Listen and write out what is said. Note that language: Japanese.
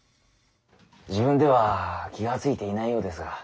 自分では気が付いていないようですが。